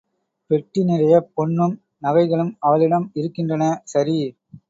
பெட்டி நிறையப் பொன்னும், நகைகளும் அவளிடம் இருக்கின்றன. சரி!